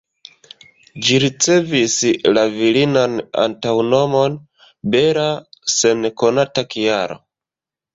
Ĝi ricevis la virinan antaŭnomon ""Bella"" sen konata kialo.